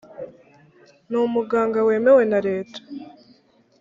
ni umuganga wemewe na leta